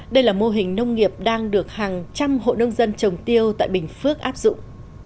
đây là mô hình nông nghiệp đang được hàng trăm hộ nông dân trồng tiêu tại bình phước áp dụng